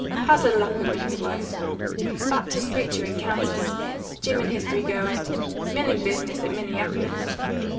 Hazard Lapham and his wife Baptist preacher in Kansas. Jim and his three girls milling business at Minneapolis.